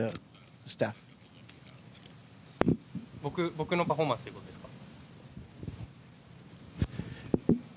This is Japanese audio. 僕のパフォーマンスということですか？